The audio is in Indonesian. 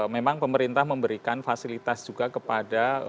memang pemerintah memberikan fasilitas juga kepada